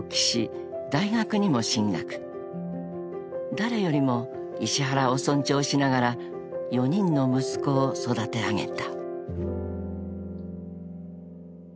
［誰よりも石原を尊重しながら４人の息子を育て上げた］